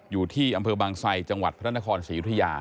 อยู่ที่อำเภอบางไซจังหวัดพระนครศรียุธยา